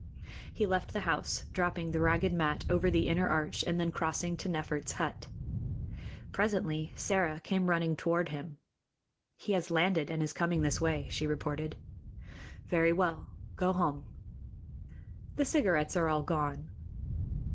He left the house, dropping the ragged mat over the inner arch and then crossing to Nefert's hut. Presently Sĕra came running toward him. "He has landed and is coming this way," she reported. "Very well. Go home." "The cigarettes are all gone."